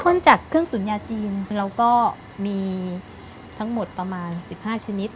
จากเครื่องตุ๋นยาจีนเราก็มีทั้งหมดประมาณ๑๕ชนิด